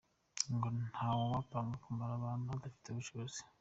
Ngo nta wapanga kumara abantu adafite ubushobozi.